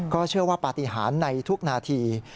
เชื่อว่าปฏิหารในทุกนาที